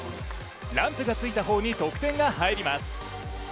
ランプがついた方に得点が入ります。